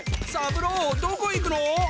三郎どこ行くの？